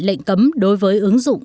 lệnh cấm đối với ứng dụng